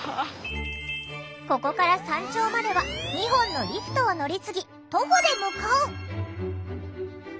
ここから山頂までは２本のリフトを乗り継ぎ徒歩で向かう。